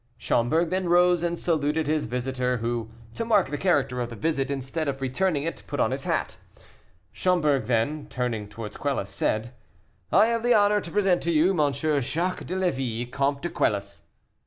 Schomberg then rose and saluted his visitor, who, to mark the character of the visit, instead of returning it, put on his hat. Schomberg then, turning towards Quelus, said, "I have the honor to present to you M. Jacques de Levis, Comte de Quelus."